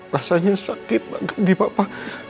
rasanya sakit di papa